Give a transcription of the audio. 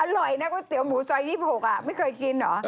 อร่อยนะก๋วเตี๋ยหมูซอย๒๖ไม่เคยกินเหรอ